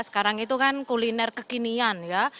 sekarang itu kan kuliner kekinian ya